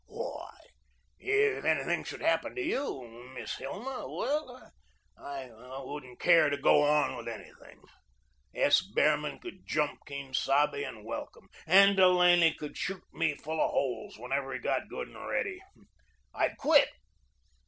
Why, if anything should happen to you, Miss Hilma well, I wouldn't care to go on with anything. S. Behrman could jump Quien Sabe, and welcome. And Delaney could shoot me full of holes whenever he got good and ready. I'd quit.